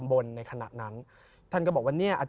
พระพุทธพิบูรณ์ท่านาภิรม